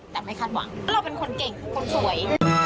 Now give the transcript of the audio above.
แต่ไม่คาดหวังเราเป็นคนเก่งคือคนสวย